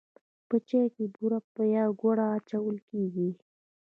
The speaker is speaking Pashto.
په چای کې بوره یا ګوړه اچول کیږي.